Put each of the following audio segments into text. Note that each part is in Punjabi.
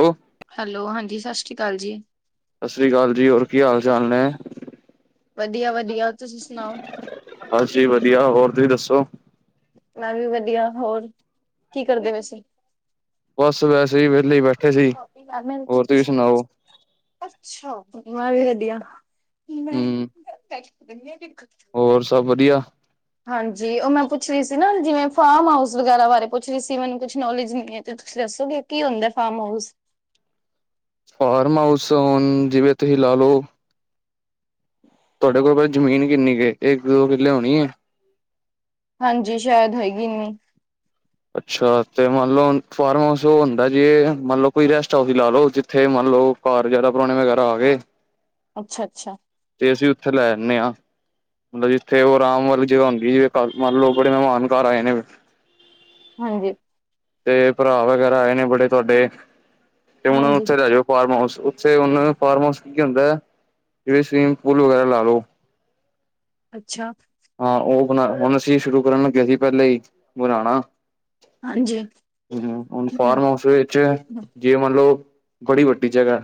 ਹੈਲੋ ਹੈਲੋ ਹਾਂਜੀ ਸਤਿ ਸ੍ਰੀ ਅਕਾਲ ਜੀ। ਸਤਿ ਸ੍ਰੀ ਅਕਾਲ ਜੀ। ਹੋਰ ਕੀ ਹਾਲ ਚਾਲ ਨੇ? ਵਧੀਆ ਵਧੀਆ ਤੁਸੀਂ ਸੁਣਾਓ ਬਸ ਜੀ ਵਧੀਆ ਹੋਰ ਤੁਸੀਂ ਦੱਸੋ? ਮੈਂ ਵੀ ਵਧੀਆ। ਹੋਰ ਕੀ ਕਰਦੇ ਪੇਸੀ? ਬਸ ਵੈਸੇ ਹੀ ਵਿਹਲੇ ਹੀ ਬੈਠੇ ਸੀ ਹੋਰ ਤੁਸੀਂ ਸੁਣਾਓ [inaudible] ੈਂ ਹਮ [inaudible] ਹੋਰ ਸਭ ਵਧੀਆ? ਹਾਂਜੀ ਉਹ ਮੈਂ ਪੁੱਛ ਰਹੀ ਸੀ ਨਾ ਜਿਵੇਂ ਫਾਰਮ ਹਾਊਸ ਵਗੈਰਾ ਬਾਰੇ ਪੁੱਛ ਰਹੀ ਸੀ ਮੈਨੂੰ ਕੁਛ ਨੋਲੇਜ ਨ ਹੈ ਤੇ ਤੁਸੀਂ ਦੱਸੋਗੇ ਕੀ ਹੁੰਦਾ ਫਾਰਮ ਹਾਊਸ? ਫਾਰਮ ਹਾਊਸ ਹੁਣ ਜਿਵੇਂ ਤੁਸੀਂ ਲਾ ਲੋ ਤੁਹਾਡੇ ਕੋਲ ਜ਼ਮੀਨ ਕਿੰਨੀ ਕੁ ਏ, ਇੱਕ ਦੋ ਕਿੱਲੇ ਹੋਣੀ ਹੈ? ਹਾਂਜੀ ਸ਼ਾਇਦ ਹੈਗੀ ਨੀ ਅੱਛਾ ਤੇ ਮੰਨਲੌ ਹੁਣ ਫਾਰਮ ਹਾਊਸ ਉਹ ਹੁੰਦਾ ਜੇ ਮਤਲਬ ਕੋਈ ਰੈਸਟ ਹਾਊਸ ਹੀ ਲਾ ਲੋ ਜਿੱਥੇ ਲੋਕ ਘਰ ਜਿਆਦਾ ਪੁਰਾਣੇ ਵਗੈਰਾ ਆ ਗਏ ਅੱਛਾ ਅੱਛਾ ਤੇ ਅਸੀਂ ਉੱਥੇ ਲੈ ਨੇ ਆ ਮਤਲਬ ਜਿੱਥੇ ਉਹ ਆਰਾਮ ਵਾਲੀ ਜਗ੍ਹਾ ਹੁੰਦੀ ਜੇ, ਮੰਨ ਲੋ ਬੜੇ ਮਹਿਮਾਨ ਘਰ ਆਏ ਨੇ ਹਾਂਜੀ ਤੇ ਭਰਾ ਵਗੈਰਾ ਆਏ ਨੇ ਬੜੇ ਤੁਹਾਡੇ ਤੇ ਹੁਣ ਹਾਂਜੀ ਉੱਥੇ ਲੈ ਜਾਓ ਫਾਰਮ ਹਾਊਸ ਉਹਨੂੰ ਫਾਰਮ ਹਾਊਸ ਕੀ ਹੁੰਦਾ ਹੈ ਕਿ ਸਵੀਮਿੰਗ ਪੂਲ ਵਗੈਰਾ ਲਾ ਲਓ ਅੱਛਾ ਹਾਂ ਉਹ ਬਣਾ ਹੁਣ ਅਸੀਂ ਸ਼ੁਰੂ ਕਰਨ ਲੱਗੇਿਆ ਸੀ ਪਹਿਲੇਾਂ ਹੀ ਬਣਾਉਣਾ ਹਾਂਜੀ ਹਮ ਹੁਣ ਫਾਰਮ ਹਾਊਸ ਵਿੱਚ ਜੇ ਮੰਨਲਓ ਬੜੀ ਵੱਡੀ ਜਗ੍ਹਾ ਏ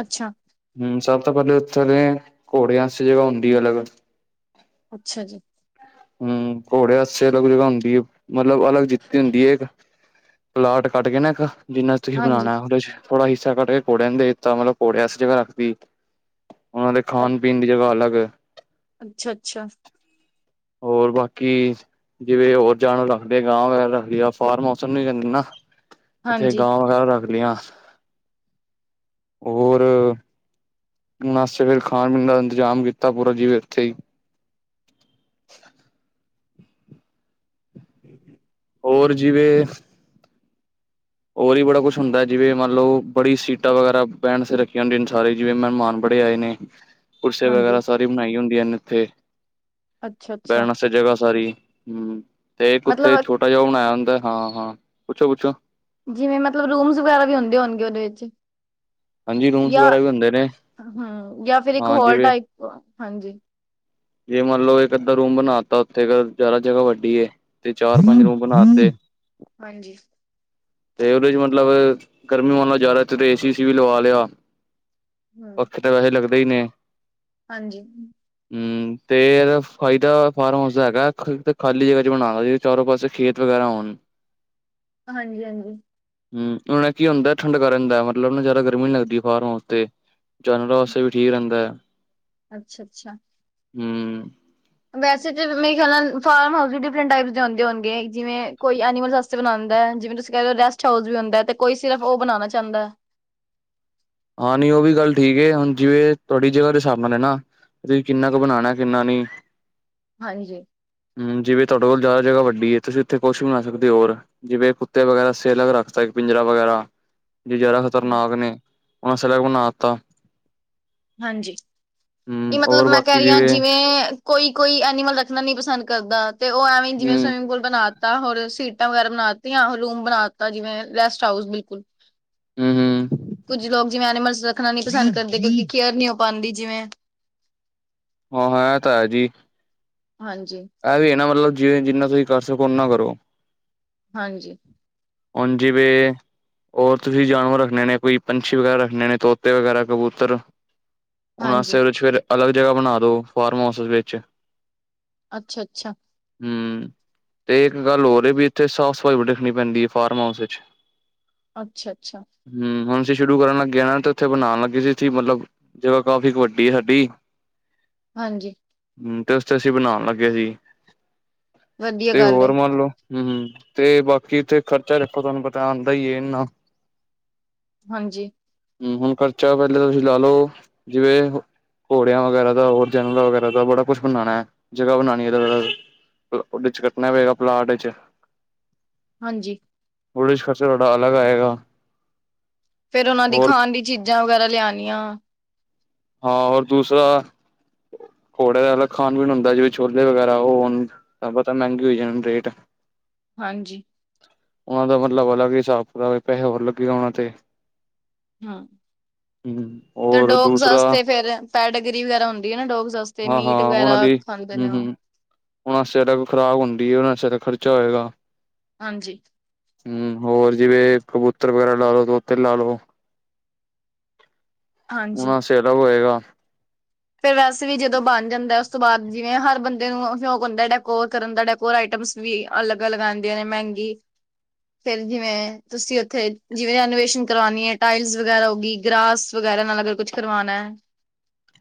ਅੱਛਾ ਸਭ ਤੋਂ ਪਹਿਲੇ ਉੱਥੇ ਦੇ ਘੋੜਿਆਂ ਸੇਵਾ ਹੁੰਦੀ ਹੈ ਅਲੱਗ ਅੱਛਾ ਜੀ ਹਮ ਘੋੜੇ ਵਾਸਤੇ ਅਲੱਗ ਜਗ੍ਹਾ ਹੁੰਦੀ ਹੈ ਮਤਲਬ ਅਲੱਗ ਦਿੱਤੀ ਹੁੰਦੀ ਹੈ ਇੱਕ ਪਲਾਟ ਕੱਟ ਕੇ ਨਾ ਇੱਕ ਜਿੰਨਾ ਤੁਸੀਂ ਹਾਂਜੀ ਬਣਾਉਣਾ ਉਹ ਤੇ ਚ ਥੋੜਾ ਹਿੱਸਾ ਕੱਢ ਕੇ ਘੋੜੇ ਦੇ ਤਾਂ ਮਤਲਬ ਘੋੜੇ ਐਸ ਜਗ੍ਹਾ ਰੱਖਦੀ ਉਹਨਾਂ ਦੇ ਖਾਣ ਪੀਣ ਦੀ ਜਗ੍ਹਾ ਅਲੱਗ ਏ ਅੱਛਾ ਅੱਛਾ ਹੋਰ ਬਾਕੀ ਜਿਵੇਂ ਹੋਰ ਜਾਨਵਰ ਰੱਖਦੇ ਗਾਂ ਵਗੈਰਾ ਰੱਖਦੇ ਆ ਫਾਰਮ ਹਾਊਸ ਓਹਨੂੰ ਹੀ ਕਹਿੰਦੇ ਨਾ ਇੱਥੇ ਹਾਂਜੀ ਗਾਵਾਂ ਵਗੈਰਾ ਰੱਖ ਲਈਆਂ ਹੋਰ ਉਹਨਾ ਵਸਤੇ ਫਿਰ ਖਾਣ ਪੀਣ ਦਾ ਇੰਤਜ਼ਾਮ ਕੀਤਾ ਪੂਰਾ ਜੀਵੇ ਉੱਥੇ ਹੀ [unintelligible] [inaudible] ਹੋਰ ਜਿਵੇਂ ਹੋਰ ਹੀ ਬੜਾ ਕੁਛ ਹੁੰਦਾ ਹੈ ਜਿਵੇਂ ਮੰਨ ਲਓ ਬੜੀ ਸੀਟਾਂ ਵਗੈਰਾ ਬਹਿਣ ਸ ਰੱਖੀਆਂ ਹੁੰਦੀਆਂ ਨੇ ਸਾਰੇ ਜਿਵੇਂ ਮ ਮਾਨ ਬ ੜ ਆਏ ਨੇੇ ਕੁਰਸੀ ਵਗੈਰਾ ਹਾਂਜੀ ਸਾਰੀ ਬਣਾਈ ਹੁੰਦੀ ਆ ਨੇ ਇੱਥੇ, ਅੱਛਾ ਅੱਛਾ ਬਹਿਣ ਅਸਤੇ ਜਗ੍ਹਾ ਸਾਰੀ। ਹਮ, ਤੇ ਇੱਕ ਉੱਥੇ ਮਤਲਬ ਛੋਟਾ ਜਿਹਾ ਓ ਬਣਾਇਆ ਹੁੰਦਾ ਆ। ਹਾਂ ਹਾਂ, ਪੁੱਛੋ ਪੁੱਛੋ। ਜਿਵੇਂ ਮਤਲਬ ਰੂਮਸ ਵਗੈਰਾ ਵੀ ਹੁੰਦੇ ਹੋਣਗੇ ਉਹਦੇ ਵਿੱਚ। [inaudible] ਹਾਂਜੀ ਰੂਮਸ ਜਾਂ ਵਗੈਰਾ ਵੀ ਹੁੰਦੇ ਨੇ। ਹੂੰ ਜਾਂ ਫਿਰ ਇੱਕ ਹਾਂ ਹੋਰ ਜਿਵੇਂ ਟਾਈਪ ਹਾਂਜੀ ਜੇ ਮੰਨ ਲਓ ਇੱਕ ਅੱਧਾ ਰੂਮ ਬਣਾ ਤਾ ਉੱਥੇ ਕ ਜ਼ਿਆਦਾ ਜਗ੍ਹਾ ਵੱਡੀ ਐ। ਤੇ ਚਾਰ ਪੰਜ ਰੂਮ ਬਣਾਤੇ। ਹਾਂਜੀ ਤੇ ਉਹਦੇ ਚ ਮਤਲਬ ਗਰਮੀ ਹੋਨ ਨਾ ਜਾਦਾ ਇਥੇ ਤੇ ਏ ਸੀ ਏ ਸੀ ਵੀ ਲਵਾ ਲਿਆ, ਹੂੰ ਪੱਖੇ ਤਾਂ ਵੈਸੇ ਲੱਗਦੇ ਦੇ ਨੇ। ਹਾਂਜੀ। ਹਮ, ਤੇ ਇਹਦਾ ਫਾਇਦਾ ਫਾਰਮ ਹਾਊਸ ਦਾ ਹੈਗਾ ਐ, ਖਾਲੀ ਜਗ੍ਹਾ ਚ ਬਣਾਓ, ਜਿਦੇ ਚਾਰੋਂ ਪਾਸੇ ਖੇਤ ਵਗੈਰਾ ਤ ਹੋਨ ਹਾਂਜੀ ਹਾਂਜੀ। ਹਮ ਉਹ ਨਾ ਕੀ ਹੁੰਦਾ ਠੰਡਕ ਰਹਿੰਦਾ ਐ, ਮਤਲਬ ਨਾ ਜ਼ਿਆਦਾ ਗਰਮੀ ਨੀ ਲੱਗਦੀ ਫਾਰਮ ਹਾਊਸ ਤੇ। ਜਾਨਵਰਾ ਵਾਸਤੇ ਵੀ ਠੀਕ ਰਹਿੰਦਾ ਐ। ਅੱਛਾ ਅੱਛਾ। ਹਮ। ਵੈਸੇ ਤੇ ਮੇਰੇ ਖਿਆਲ ਨਾਲ ਫਾਰਮ ਹਾਊਸ ਵੀ ਡਿਫਰੈਂਟ ਟਾਈਪ ਦੇ ਹੋਂਦੇ ਹੋਣਗੇ, ਜਿਵੇਂ ਕੋਈ ਐਨੀਮਲਸ ਆਸਤੇ ਬਣਾਂਦ ਦੈ। ਜਿਵੇਂ ਤੁਸੀਂ ਕਹਿ ਰਹੇ ਹੋ ਰੈਸਟ ਹਾਊਸ ਵੀ ਹੁੰਦਾ ਐ ਤੇ ਕੋਈ ਸਿਰਫ਼ ਉਹ ਬਣਾਣਾ ਚਾਂਦੈ ਹਾਂ ਨੀ ਉਹ ਵੀ ਗੱਲ ਠੀਕ ਐ। ਹੁਣ ਜਿਵੇਂ ਤੁਆਡੀ ਜਗ੍ਹਾ ਦੇ ਸਾਬ ਨਾਲ ਏ ਨਾ। ਤੁਹੀਂ ਕਿੰਨਾ ਕ ਬਣਾਣਾ ਐ ਕਿੰਨਾ ਨੀ। ਹਾਂਜੀ ਹਮ ਜਿਵੇਂ ਤੁਆਡੇ ਕੋਲ ਜਾਦਾ ਜਗ੍ਹਾ ਵੱਡੀ ਏ, ਤੁਸੀਂ ਉੱਥੇ ਕੁੱਛ ਵੀ ਬਣਾ ਸਕਦੇ ਔਰ, ਜਿਵੇਂ ਕੁੱਤੇ ਵਗੈਰਾ ਤੁਸੀ ਅਲੱਗ ਰੱਖ ਸਕਦੇ, ਪਿੰਜਰਾ ਵਗੈਰਾ। ਜੇ ਜ਼ਿਆਦਾ ਖ਼ਤਰਨਾਕ ਨੇ ਉਹਨਾਂ ਅਸ ਅਲਗ ਬਣਾ ਤਾ। ਹਾਂਜੀ, ਹਮ ਨਹੀਂ ਮਤਲਬ ਹੋਰ ਮੈਂ ਕਹਿ ਬਾਕੀ ਰਹੀ ਹਾਂ, ਜਿਵੇਂ ਕੋਈ ਕੋਈ ਐਨੀਮਲ ਰੱਖਣਾ ਨੀ ਪਸੰਦ ਕਰਦਾ ਤੇ ਉਹ ਐਵੇਂ ਜਿਵੇਂ ਹਮ ਸਵਿਮਿੰਗ ਪੂਲ ਬਣਾਤ ਤ ਹੋਰ ਸੀਟਾਂ ਵਗੈਰਾ ਬਣਾ ਤੀਆਂ। ਔਰ ਰੂਮ ਬਣਾ ਤਾ ਜਿਵੇਂ ਰੈਸਟ ਹਾਊਸ ਬਿਲਕੁਲ। ਹਮ ਹਮ ਕੁੱਝ ਲੋਕ ਜਿਵੇਂ ਐਨੀਮਲਸ ਰੱਖਣਾ ਨੀ ਪਸੰਦ ਕਰਦੇ ਕਿਉਂਕਿ ਕੇਅਰ ਨਹੀ ਹੋ ਪਾਂਦੀ ਜਿਵੇਂ। ਹਾਂ ਹਾਂ ਏ ਤਾਂ ਹੈ ਜੀ। ਹਾਂਜੀ ਏਹ ਵੀ ਐ ਨਾ ਮਤਲਬ ਜਿਵੇਂ ਜਿੰਨਾ ਤੁਸੀਂ ਕਰ ਸਕੋ ਓਨਾ ਕਰੋ। ਹਾਂਜੀ। ਹੁਨ ਜਿਵੇਂ ਹੋਰ ਤੁਸੀਂ ਜਾਨਵਰ ਰੱਖਣੇ ਨੇ, ਕੋਈ ਪੰਛੀ ਵਗੈਰਾ ਰੱਖਣੇ ਨੇ, ਤੋਤੇ ਵਗੈਰਾ, ਕਬੂਤਰ ਔਨਾਂ ਹਾਂਜੀ ਵਾਸਤੇ ਵਿੱਚ ਫਿਰ ਅਲੱਗ ਜਗ੍ਹਾ ਬਣਾ ਦੋ, ਫਾਰਮ ਹਾਊਸ ਵਿੱਚ। ਅੱਛਾ-ਅੱਛਾ। ਹਮ, ਤੇ ਇੱਕ ਗੱਲ ਹੋਰ ਏ ਵੀ ਇੱਥੇ ਸਾਫ਼ ਸਫ਼ਾਈ ਬੜੀ ਰੱਖਣੀ ਪੈਂਦੀ ਏ, ਫਾਰਮ ਹਾਊਸ ਇਚ। ਅੱਛਾ-ਅੱਛਾ। ਜੇ ਸ਼ੁਰੂ ਕਰਨ ਲੱਗੇ ਆਂ ਤੇ ਓਥੇ ਬਨਾਣ ਲੱਗੇ ਸੀ, ਇਥੇ ਮਤਲਬ ਜਗਾ ਕਾਫੀ ਕ ਵੱਡੀ ਐ ਹਾਡੀ। ਹਾਂਜੀ। ਹਮ ਤੇ ਉਸ ਤੇ ਅਸੀਂ ਬਣਾਣ ਲੱਗੇ ਹੀ। ਵਧੀਆ ਤੇ ਗੱਲ ਹੈ ਹੋਰ ਮੰਨ ਲੋ ਹਮ ਹਮ। ਤੇ ਬਾਕੀ ਇੱਥੇ ਖਰਚਾ ਰੱਖੋ ਤੁਹਾਨੂੰ ਪਤਾ ਆਂਦਾ ਹੀ ਐ ਇੰਨਾ। ਹਾਂਜੀ। ਹਮ ਹਮ, ਹੁਣ ਖਰਚਾ ਪੇਲਾਂ ਤੁਸੀਂ ਲਾਲੋ ਜੇ ਘੋੜਿਆਂ ਵਗੈਰਾ ਦਾ, ਹੋਰ ਜਾਨਵਰਾਂ ਵਗੈਰਾ ਦਾ ਬੜਾ ਕੁਛ ਬਣਾਣਾ ਐ, ਜਗਾ ਬਣਾਣੀ ਏ ਅਲੱਗ ਅਲੱਗ ਓਦੇ ਚ ਕੱਟਣਾ ਪਏਗਾ, ਪਲਾਟ ਇਚ। ਹਾਂਜੀ। ਔਦੇ, ਚ ਖ਼ਰਚਾ ਸਾਡਾ, ਅਲਗ ਆਏਗਾ। ਫੇਰ, ਔਨਾਂ ਦੀ ਹੋਰ ਖਾਣ ਦੀ ਚੀਜਾਂ ਵਗੈਰਾ ਲਿਆਣੀਆਂ। ਹਾਂ, ਹੋਰ ਦੂਸਰਾ ਘੋੜਿਆਂ ਦਾ ਅਲੱਗ ਖਾਣ-ਪੀਣ ਹੁੰਦਾ। ਜਿਦੇ ਛੋਲੇ ਵਗੈਰਾ ਔ ਹੋਣ ਕਿਆ ਪਤਾ ਮੈਂਗੇ ਹੋ ਜਾਨ ਰੇਟ। ਹਾਂਜੀ। ਔਨਾਂ ਦਾ ਮਤਲਬ ਅਲੱਗ ਹੀ ਹਿਸਾਬ ਪੈਹੇ ਹੋਰ ਲੱਗੀ ਜਾਨ ਔਨਾਂ ਤੇ। ਹਮ ਹੂੰ, ਔਰ ਦੁ ਦਾਸਤੇ ਫੇਰ ਪੇਡਾਗਿਰੀ ਵਗੈਰਾ ਹੁੰਦੀ ਹੈ ਨਾ, ਡੋਗਸ ਵਾਸਤੇ ਹਾਂ- ਮੀਟ ਹਾਂ ਵਗੈਰਾ ਔਨਾਂ ਦੀ ਖਾਂਦੇ ਨੇ ਹੂੰ- ਉਹ ਹੂੰ। ਔਨਾਂ ਸਿਦਕ ਖਰਾਬ ਹੁੰਦੀ ਏਨ [unintelligible] ਖਰਚਾ ਹੋਏਗਾ। ਹਾਂਜੀ। ਹੂੰ, ਹੋਰ ਜਿਵੇਂ ਕਬੂਤਰ ਵਗੈਰਾ ਲਾਲੋ ਤੋਤੇ ਲਾਲੋ। ਹਾਂਜੀ ਔਨਾ ਸੇਰਾ ਹੋਏਗਾ। ਫੇਰ ਵੈਸੇ ਵੀ ਜਦੋਂ ਬਣ ਜਾਂਦਾ। ਔਸ ਤੋਂ ਬਾਦ ਜਿਵੇਂ ਹਰ ਬੰਦੇ ਨੂੰ ਸ਼ੋਂਕ ਹੁੰਦਾ ਡੈਕੋਰ ਕਰਨ ਦਾ ਡੈਕੋਰ ਆ ਸ ਵੀ ਅਲੱਗ-ਅਲੱਗ ਆਂਦੀਆਂ ਨੇ ਮੈਂਗੀ ਫੇਰ ਜਿਵੇਂ ਤੁਸੀਂ ਔਥੇ ਜਿਵੇਂ ਰੈਨੋਵੇਸ਼ਨ ਕਰਵਾਣੀ ਏ ਟਾਇਲਸ ਵਗੈਰਾ ਹੋ ਗਈ। ਗਰਾਸ ਵਗ ਨੁੰ ਅਗਰ ਕੁਛ ਕਰਵਾਨਾ।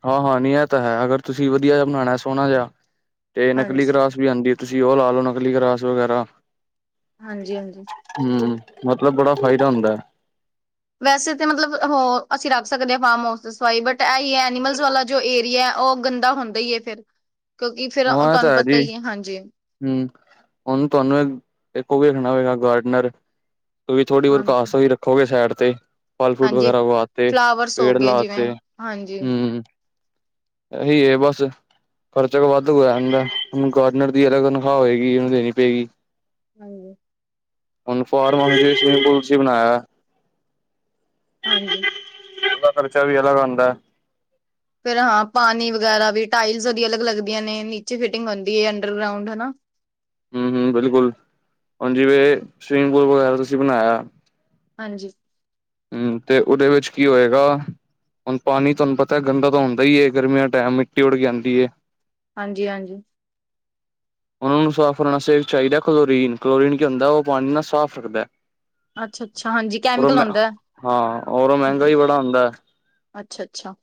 ਹਾਂ- ਹਾਂ ਨੀ ਏ ਤਾਂ ਹੈ। ਅਗਰ ਤੁਸੀਂ ਵਧੀਆ ਜਿਹਾ ਬਣਾਣਾ, ਸੋਹਣਾ ਜਿਹਾ ਤੇ ਨਕਲੀ ਹਾਂਜੀ ਗਰਾਸ ਵੀ ਆਂਦੀ ਤੁ ਜਿਵੇਂ ਔ ਲਾਲੋੋ ਨਕਲੀ ਗ੍ਰਾਸ ਵਗੈਰਾ। ਹਾਂਜੀ- ਹਾਂਜੀ। ਹੂੰ ਮਤਲਬ ਬੜਾ ਫਾਇਦਾ ਹੁੰਦਾ। ਵੈਸੇ, ਤਾਂ ਮਤਲਬ ਔ ਅਸੀਂ ਰੱਖ ਸਕਦੇ ਹਾਂ ਫਾਰਮ ਹਾਊਸ ਤੇ ਸਫਾਈ। ਬਟ ਏਈ ਏ ਐਨੀਮਲਸ ਵਾਲਾ ਜੋ ਏਰੀਆ ਔ, ਗੰਦਾ ਹੁੰਦਾ ਹੀ ਹੈ। ਫੇਰ। ਹੁਨ ਏ ਤਾਂ, ਹੈ ਜੀ। ਹੁਨ ਤੁਹਾਨੂੰ ਇਕ, ਇੱਕ ਔ ਵੀ ਰੱਖਣਾ ਪਏਗਾ। ਗਾਰਡਨਰ, ਤੁ ਵੀ ਥੋੜੀ ਕਾਸ ਹਾਂਜੀ ਰੱਖੋਗੇ ਸਾਈਡ ਤੇ। ਫਲ- ਫਰੂਟ ਹਾਂਜੀ ਵਗੈ ਰਾ, ਵਾਸਤੇ ਫਲਾਵਰਸ ਹੋ ਪੇੜ ਗਏ ਜਿਵੇਂ ਲਾਤੇ। ਹਾਂਜੀ ਹੂੰ। ਇਹੀ ਹੈ। ਬਸ- ਖਰਚਾ ਕੁ ਵਾਦੁ ਹੋਇਆ ਰਹਿੰਦਾ, ਹੂਨ ਗਾਰਡਨਰ ਦੀ ਤਨਖਾਹ ਹੋਏਗੀ, ਉਹਨੂੰ ਦੇਣੀ ਪਏਗੀ। ਹਾਂਜੀ। ਹੁਨ ਫਾਰਮ ਹਾਊਸ। ਸਵਿਮਿੰਗ ਪੂਲ ਸੀ ਬਣਾਇਆ। ਹਾਂਜੀ। ਖਰਚਾ ਵੀ ਅਲਗ ਆਂਦਾ ਹੈ। ਫੇਰ- ਹਾਂ ਪਾਣੀ ਵਗੈਰਾ ਵੀ ਟਾਇਲਸ ਉਸਦੀ ਅਲੱਗ ਲੱਗਦੀਆਂ, ਨੇ ਨੀਚੇ ਫਿਟਿੰਗ ਹੁੰਦੀ ਹੈ। ਅੰਡਰਗ੍ਰਉਂਡ ਹੈਨਾ। ਹੂੰ- ਹੂੰ, ਬਿਲਕੁਲ, ਹੁਣ ਜਿਵੇਂ- ਸਵੀਮਿੰਗ ਪੂਲ ਵਗੈਰਾ ਤੁਸੀਂ ਬਣਾਇਆ। ਹਾਂਜੀ। ਹੂੰ, ਤੇ, ਉਹਦੇ ਵਿੱਚ ਕੀ ਹੋਏਗਾ। ਹੁਣ ਪਾਣੀ, ਤੁਹਾਨੂੰ ਪਤਾ ਤੇ ਗੰਦਾ ਤਾਂ ਹੁੰਦਾ ਹੀ ਹੈ। ਗਰਮੀੀਆਂ ਟਾਈਮ, ਮਿੱਟੀ ਉੱਡ ਕੇ ਆਂਦੀ ਹੈ। ਹਾਂਜੀ, ਹਾਂਜੀ। ਉਹਨਾਂ ਨੂੰ ਸਾਫ਼ ਰੱਖਣ ਵਾਸਤੇ, ਚਾਹੀਦਾ ਕਲੋਰੀਨ, ਕਲੋਰੀਨ ਕੀ ਹੁੰਦਾ ਉਹ ਪਾਣੀ ਨੂੰ ਸਾਫ਼ ਰੱਖਦਾ ਹੈ। ਅੱਛਾ ਅੱਛਾ ਹਾਂਜੀ ਰ, ਕੈਮੀਕਲ ਮ, ਹੁੰਦਾ ਹੈ। ਹਾਂ ਔਰ ਔ ਮਹਿੰਗਾ ਵੀ, ਬੜਾ ਆਉਂਦਾ ਹੈ। ਅੱਛਾ-ਅੱਛਾ,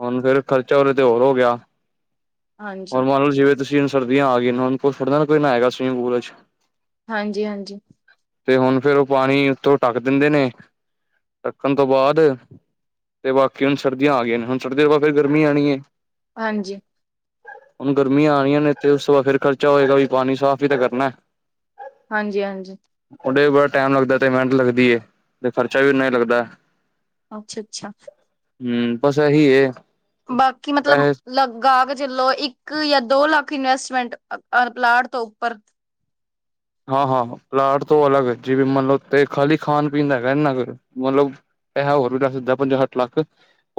ਹੁਣ, ਫੇਰ ਖ਼ਰਚਾ ਉਦੇ, ਤੇ ਹੋਰ, ਹੋ ਗਿਆ। ਹੁਣ ਹਾਂਜੀ, ਮਨ ਲੋ, ਜਿਵੇਂ ਤੁਸੀਂ ਸਕਦੀਆਂ ਆ ਗਇਆ ਨੇ, ਹੁਣ ਥੋੜੀ ਨਾ ਨਾਏਗਾ ਕੋਈ ਸਵਿਮਿੰਗ ਪੂਲ ਵਿੱਚ। ਹਾਂਜੀ- ਹਾਂਜੀ। ਤੇ, ਹੁਣ ਫੇਰ ਉਹ ਪਾਣੀ ਉੱਥੋਂ ਢੱਕ ਦਿੰਦੇ ਨੇ- ਰੱਖਣ ਤੋਂ ਬਾਅਦ ਤੇ। ਬਾਕੀ ਹੁਣ ਸਰਦੀਆਂ ਆ ਗਈਆਂ ਨੇ, ਹੁਣ ਸਰਦੀ ਤੋਂ-ਬਾਅਦ ਫੇਰ ਗਰਮੀ ਆਉਣੀ ਹੈ। ਹਾਂਜੀ। ਹੁਣ ਗਰਮੀਆਂ ਆ ਰਹੀਆਂ ਨੇ ਤੇ, ਉਸ ਤੋਂ ਬਾਅਦ ਫੇਰ ਖ਼ਰਚਾ ਹੋਏਗਾ ਔ ਵੀ, ਪਾਣੀ ਸਾਫ਼ ਵੀ ਤਾਂ ਕਰਨਾ ਹੈ। ਹਾਂਜੀ- ਹਾਂਜੀ। ਓਦੇ ਤੇ ਵੀ ਬੜਾ ਟਮ ਲੱਗਦਾ ਹੈ। ਤੇ ਮਿਹਨਤ ਲੱਗਦੀ ਹੈ। ਤੇ ਖਰਚਾ ਵੀ ਓਨਾਹੀ ਲੱਗਦਾ ਹੈ। ਅੱਛਾ- ਅੱਛਾ। ਹੂੰ, ਬਸ ਏਹੀ ਹੈ। ਬਾਕੀ ਮਤਲਬ ਲਗਾਗ ਕੇ ਚਲੋ ਇੱਕ ਜਾਂ ਦੋ ਲੱਖ ਇਨਵੈਸਟਮੈਂਟ ਪਲਾਟ ਤੋਂ ਉੱਪਰ ਹਾਂ ਹਾਂ ਪਲਾਟ ਤੋਂ, ਅਲੱਗ ਜਿਵੇਂ ਮਤਲਬ ਤੇ ਖਾਲੀ ਖਾਣ ਪੀਣ ਦਾ ਹੈਗਾ ਨਾ ਮਤਲਬ ਪੈਸਾ, ਹੋਰ ਵੀ ਦੱਸ ਦਦਾ ਪੰਜਾ ਸੱਠ ਲੱਖ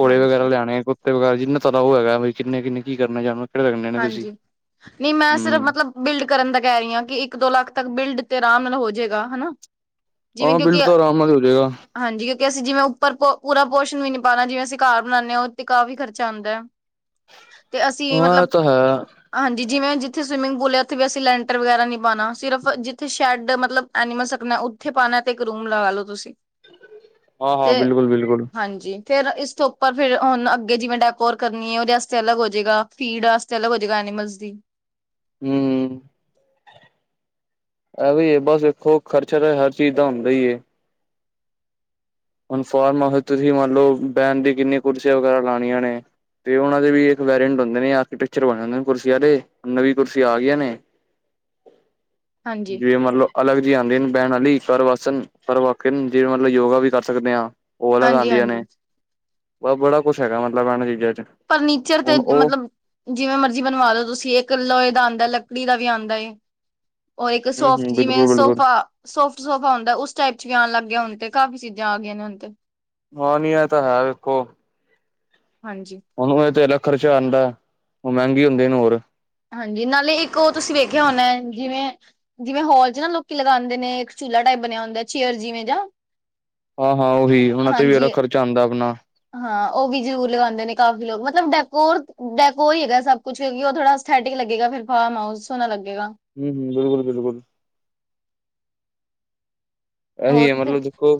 ਘੋੜੇ ਵਗੈਰਾ ਹਾਂਜੀ, ਲਿਆਣੇ, ਕੁੱਤੇ ਵਗੈਰਾ, ਜਿਨਾ ਤੁਹਾਡਾ ਹੋ ਹਗਾ। ਤਰ੍ਹਾਂਉਹ ਹੈਗਾ ਵੀ ਕਿੰਨੇ ਕਿੰਨੇ ਕੀ ਕਰਨੇ ਹੈ। ਹਾਂਜੀ। ਨਹੀਂ ਮੈਂ, ਸਿਰਫ ਹੂੰ ਮਤਲਬ ਬਿਲਡ ਕਰਨ ਦਾ ਕਹਿ ਰਹੀ ਹਾਂ, ਕਿ ਇੱਕ ਦੋ ਲੱਖ ਤੱਕ ਬਿਲਡ ਆਰਾਮ ਨਾਲ ਹੋ ਜਾਏਗਾ ਹਨਾ। ਜਿਵੇਂ, ਹਾਂ ਬਿਲਡ ਕਿਉਂਕਿ ਤਾਂ ਆਰਾਮ ਨਾਲ ਹੋ ਜਾਏਗਾ ਹਾਂਜੀ ਕਿ ਅਸੀਂ ਜਿਵੇਂ ਉੱਪਰ ਪੂਰਾ ਪੋਸ਼ਣ ਵੀ ਨੀ ਪਾਉਣਾ, ਜਿਵੇਂ ਅਸੀਂ ਘਰ ਬਣਾਂਦੇ ਹਾਂ ਉਹ ਤੇ ਕਾਫ਼ੀ ਖਰਚਾ ਆਂਦਾ ਹੈ। ਹ, ਤੇ, ਅਸੀਂ ਮਤਲਬ ਹਾਂਜੀ ਜਿਵੇਂ ਜਿੱਥੇ ਸਵਿਮਿੰਗ ਪੂਲ ਹੈ। ਉੱਥੇ ਵੀ ਅਸੀਂ ਲੈਂਟਰ ਵਗੈਰਾ ਨੀ ਪਾਉਣਾ ਸਿਰਫ ਜਿੱਥੇ, ਸ਼ੈੱਡ ਮਤਲਬ ਐਨੀਮਲ ਸਕਣਾ ਉੱਥੇ ਪਾਉਣਾ ਤੇ ਇੱਕ ਰੂਮ ਲਗਾ ਲੋ ਤੁਸੀਂ ਹਾਂ ਹਾਂ, ਤੇ ਬਿਲਕੁਲ ਬਿਲਕੁਲ। ਹਾਂਜੀ ਫੇਰ ਇਸ ਤੋਂ, ਉੱਪਰ ਫਿਰ ਹੁਣ ਅੱਗੇ ਜਿਵੇਂ ਡੈਕੋਟ ਕਰਨੀ ਹੈ। ਉਹਦੇ ਵਸਤੇ ਅਲੱਗ ਹੋ ਜਾਏਗਾ ਫੀਡ ਵਾਸਤੇ। ਚਲੋ ਹੋਜੇਗਾ, ਐਨੀਮਲਸ ਦੀ। ਹਮ ਇਹ ਵੀ ਹੈ। ਬਸ ਵਖੋ ਖਰਚਾ ਤਾਂ ਹਰ ਚੀਜ਼ ਦਾ ਹੁੰਦਾ ਹੀ। ਹੁਣ ਫਾਰਮ ਹਾਸ ਤੁਸੀਂ ਮੰਨ ਲਓ। ਬੈਠਣ ਵਾਸਤੇ ਕੀਨੀਆ ਕੁਰਸੀਆਂ ਵਗੈਰਾ ਲਾਣੀਆਂ ਨੇ ਤੇ, ਉਹਨਾਂ ਦੇ ਵੀ। ਇੱਕ ਵੇਰੀਅੰਟ ਹੁੰਦੇ ਨੇ ਆਰਕੀਟੈਕਚਰ ਬਣੇ ਹੁੰਦੇ ਨੇ, ਕੁਰਸੀਆਂ ਦੇ ਨਾਲ਼ੇ ਨਵੀਂ ਕੁਰਸੀੀਆਂ ਆ ਗਈਆਂ ਨੇ ਹਾਂਜੀ ਜਵੇ, ਮਤਲਬ ਅਲੱਗ ਜਿਹੀ ਆਉਂਦੇ ਬਹਿਣ ਵਾਲੀ। ਪਰਵਾਸਨ, ਪਰਵਾਕਨ ਜਿਹਵੇਂ ਮਤਲਬ ਯੋਗਾ ਵੀ ਕਰ ਸਕਦੇ ਹਾਂ, ਉਹ ਅਲੱਗ ਹਾਂਜੀ ਆਉਂਦੀਆਂ ਨੇ- ਹਾਂਜੀ ਬ ਬੜਾ ਕੁਛ ਹੈਗਾ। ਮਤਲਬ ਐਨਾ ਚੀਜਾ ਵਿੱਚ। ਫਰਨੀਚਰ ਤੇ, ਮਤਲਬ ਜਿਵੇਂ ਮਰਜੀੀ ਬਣਵਾ ਲੋ, ਤੁਸੀਂ ਇੱਕ ਲੋਏ ਦਾ ਆਂਦਾ ਹੈ। ਲੱਕੜੀ ਦਾ ਵੀ ਆਉਂਦਾ ਏ। ਔਰ ਇੱਕ ਹੂੰ ਸੋਫਟ ਹੂੰ ਜਿਵੇਂ, ਬਿਲਕੁਲ ਬਿਲਕੁਲ ਸੋਫਾ ਸੋਫਟ ਸੋਫਾ ਹੁੰਦਾ ਉਸ ਟਾਈਪ ਚ ਵੀ ਆਉਣ ਲੱਗ ਗਿਆ ਹੁਣ ਤੇ। ਕਾਫ਼ੀ ਚੀਜਾਂ ਆ ਗਈਆਂ ਨੇ ਹੁਣ ਤੇ ਹਾਂ ਨਹੀਂੀ ਐ ਤਾਂ ਹੈੇ ਖ ਹਾਂਜੀ ਉਹਨੂੰ ਇਹ ਤੇ ਲੱਖ ਖਰਚਾ ਆਂਦੈ ਉਹ ਮਹਿੰਗੀ ਹੁੰਦੀਆਂ ਨ ਹੋਰ ਹਾਂਜੀ ਨਾਲੇ ਇੱਕ ਉਹ ਤੁਸੀਂ ਵੇਖਿਆ ਹੋਣੈ ਜਿਵੇਂ ਜਿਵੇਂ ਹੌਲ ਚ ਨਾ ਲੋਕੀ ਲਗਾਂਦੇ ਨੇ ਇ ਚੂਲਾ ਟਾਈਪ ਬਣਿਆ ੳਂਦੈ ਚੇਅਰ ਜਿਵੇਂ ਜਾ ਹਾਂ ਹਾਂ ਉਹੀ ਉਹਨਾਂ ਤੇ ਵੀ ਉਹਦਾ ਖਰਚਾ ਆਂਦੈ ਅਪਣਾ ਹਾਂ ਉਹ ਵੀ ਜਰੂਰ ਲਗਾਂਦੇ ਨੇ ਕਾਫ਼ੀ ਲੋਕ ਮਤਲਬ ਡੈਕੋਰ ਡੈਕੋਰ ਹੀ ਹੈਗਾ ਸਭ ਕੁੱਛ ਕਿਉਂਕਿ ਉਹ ਥੋੜਾ ਐਸਥੈਟਿ ਲੱਗੇਗਾ ਫਿਰ ਫਾਰਮਹਾਊਸ ਸੋਹਣਾ ਲੱਗੇ ਹਮ ਹਮ ਬਿਲਕੁਲ ਬਿਲਕੁਲ ਐਹੀ ਹੋਰ ਹੈ ਤੁਸੀਂ ਮਤਲਬ ਦੇਖੋ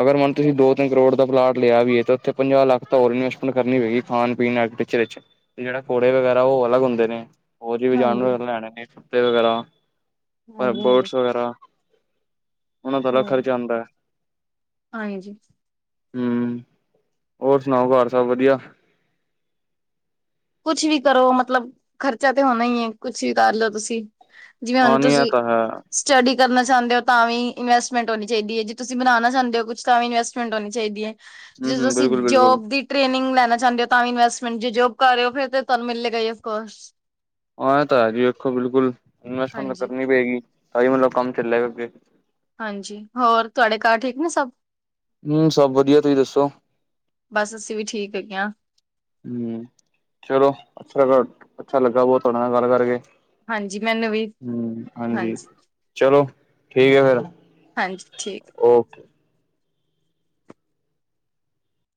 ਅਗਰ ਮਨ ਤੁਸੀਂ ਦੋ ਤਿੰਨ ਕਰੋੜ ਦਾ ਪਲਾਟ ਲਿਆ ਵੀਏ ਤੇ ਉੱਥੇ ਪੰਜਾਹ ਲੱਖ ਤਾਂ ਹੋਰ ਇਨਵੈਸ਼ਮੈਂਟ ਕਰਨੀ ਪਏਗੀ ਖਾਣ ਪੀਣ ਵਾਲ ਵਿਚ ਵਿਚ ਜਿਹੜਾ ਘੋੜੇ ਵਗੈਰਾ ਉਹ ਅਲੱਗ ਹੁੰਦੇ ਨੇ ਹੋਰ ਜ ਵੀ ਹਾਂਜੀ ਜਾਨਵਰ ਲੈਣੇ ਨੇ [unintelligible] ਵਗੈਰਾ ਹਾਂਜੀ ਹਾਂਜੀ ਬੋਡਸ ਵਗੈਰਾ ਉਹਨਾਂ ਦਾ ਅਲਗ ਖਰਚਾ ਆਂਦੈ ਹਾਂ ਜੀ ਹਮ ਹੋਰ ਸੁਣਾਓ ਘਰ ਸਭ ਵਧੀਆ। ਕੁਛ ਵੀ ਕਰੋ ਮਤਲਬ ਖਰਚਾ ਤੇ ਹੋਣਾ ਈ ਏ ਕੁਛ ਵੀ ਕਰ ਲਓ ਤੁਸੀਂ ਜਿਵੇਂ ਹਾਂ ਹੁਣ ਨੀ ਇਹ ਤੁਸੀਂ ਤਾਂ ਹੈ ਸਟਡੀ ਕਰਨਾ ਚਾਹੁੰਦੇ ਹੋ ਤਾਂ ਵੀ ਇਨਵੈਸਟਮੈਂਟ ਹੋਣੀ ਚਾਹੀਦੀ ਏ ਜੇ ਤੁਸੀਂ ਬਣਾਉਣਾ ਚਾਹੁੰਦੇ ਹੋ ਕੁਛ ਤਾਂ ਵੀ ਇਨਵੈਸਟਮੈਂਟ ਹੋਣੀ ਚਾਹੀਦੀ ਏ। ਹੂੰ ਜੇਂ ਹੂੰ ਤੁਸੀ ਬਿਲਕੁਲ ਬਿਲਕੁਲ ਜੋਬ ਦੀ ਟ੍ਰੇਨਿੰਗ ਲੈਣਾ ਚਾਹੁੰਦੇ ਹੋ ਤਾਂ ਵੀ ਇਨਵੈਸਟਮੈਂਟ ਜੇ ਜੋਬ ਕਰ ਰਏ ੳ ਫਿਰ ਤੇ ਤੁਹਾਨੂੰ ਮਿਲਲੇ ਗਈ ਅਫਕੋਰਸ। ਹਾਂ ਐਹ ਤਾਂ ਹੈ ਜੀ ਵੇਖੋ ਬਿਲਕੁਲ ਇਨਸਟਮੈਂਟ ਤਾਂ ਹਾਂਜੀ। ਕਰਨੀ ਪਏਗੀ ਤਾਂਹੀ ਮਤਲਬ ਕੰਮ ਚੱਲੇਗਾ ਅੱਗੇ। ਹਾਂਜੀ ਹੋਰ ਤੁਆਡੇ ਘਰ ਠੀਕ ਨੇ ਸਭ। ਹੂੰਮ ਸਭ ਵਧੀਆ ਤੁਸੀਂ ਦੱਸੋ। ਬਸ ਅਸੀਂ ਵੀ ਠੀਕ ਹੈਗੇ ਹਾਂ ਹੂੰ ਚਲੋ [unintelligible] ਅੱਛਾ ਲੱਗਾ ਬਹੁਤ ਤੁਹਾਡੇ ਨਾਲ ਗੱਲ ਕਰਕੇ ਹਾਂਜੀ ਮੈਨੂੰ ਵੀ ਹਮ ਹਾਂਜੀ। ਚਲੋ ਠੀਕ ਆ ਫੇਰ ਹਾਂਜੀ ਠੀਕ। ਓਕੇ।